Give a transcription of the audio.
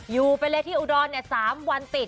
อยู่ไปเลชธิอุดรสามวันติด